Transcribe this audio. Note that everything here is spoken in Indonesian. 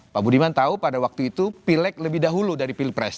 pak budiman tahu pada waktu itu pilek lebih dahulu dari pilpres